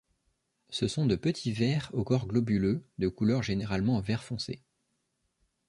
Ce sont de petits vers au corps globuleux, de couleur généralement vert foncé.